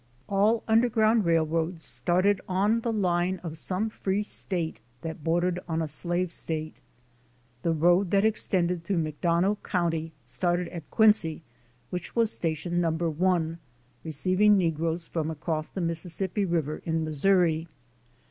All underground railroads started on the line of some free state that bordered on a slave state. The road that ex tended through McDonough county started at Quincy, which was station No. 1, receiving negroes from across the Missis sippi river in Missouri.